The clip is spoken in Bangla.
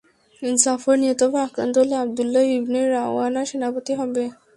জাফর নিহত বা আক্রান্ত হলে আব্দুল্লাহ ইবনে রাওয়াহা সেনাপতি হবে।